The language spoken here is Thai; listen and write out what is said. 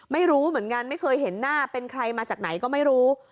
ไม่รู้เหมือนกันไม่เคยเห็นหน้าเป็นใครมาจากไหนก็ไม่รู้